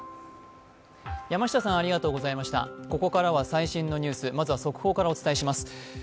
ここからは最新のニュース、まずは速報からお伝えします。